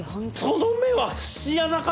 その目は節穴か！？